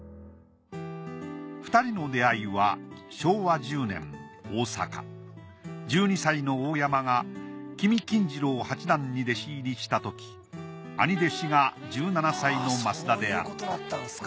２人の出会いは１２歳の大山が木見金治郎八段に弟子入りしたとき兄弟子が１７歳の升田であった。